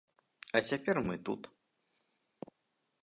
А цяпер мы тут.